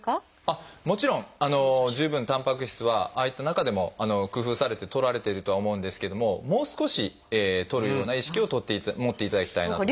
もちろん十分たんぱく質はああいった中でも工夫されてとられてるとは思うんですけどももう少しとるような意識を持っていただきたいなと。